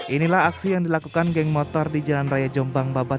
inilah aksi yang dilakukan geng motor di jalan raya jombang babat